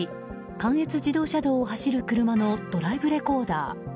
関越自動車道を走る車のドライブレコーダー。